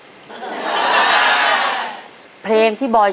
มีเพลงชื่อเพลง